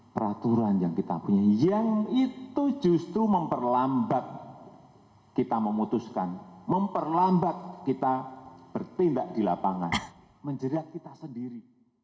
peraturan yang kita punya yang itu justru memperlambat kita memutuskan memperlambat kita bertindak di lapangan menjerat kita sendiri